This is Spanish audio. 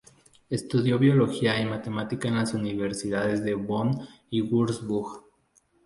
Estudió biología y matemática en las universidades de Bonn y Würzburg.